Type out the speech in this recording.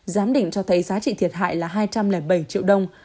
giám định cho thấy giá trị thiệt hại là hai trăm linh bảy triệu đồng